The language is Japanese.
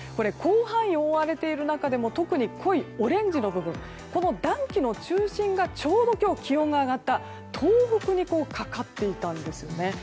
広範囲に覆われている中でも特に濃いオレンジの部分この暖気の中心がちょうど今日気温が上がった東北にかかっていたんですね。